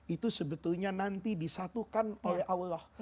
itu sebetulnya nanti disatukan oleh allah